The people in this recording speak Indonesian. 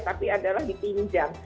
tapi adalah dipinjam